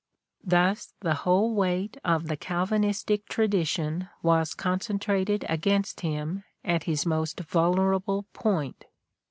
Thus the whole weight of the Calvinistic tradition was concentrated against him at his most vulnerable point.